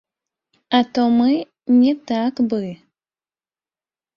А то мы не так бы.